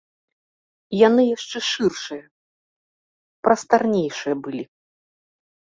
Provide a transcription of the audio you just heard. Яны яшчэ шыршыя, прастарнейшыя былі.